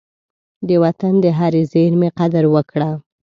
د وطن د هرې زېرمي قدر وکړه.